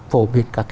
phổ biệt các công tác